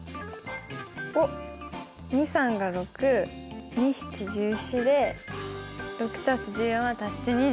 おっ２×３が６２×７＝１４で６＋１４は足して２０！